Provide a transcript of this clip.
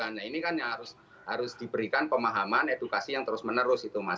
nah ini kan harus diberikan pemahaman edukasi yang terus menerus itu mas